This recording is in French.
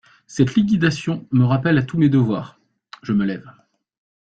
Cette liquidation me rappelle à tous mes devoirs… je me lève…